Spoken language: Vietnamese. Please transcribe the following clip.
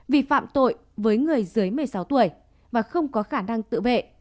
vì phạm tội với người dưới một mươi sáu tuổi và không có khả năng tự vệ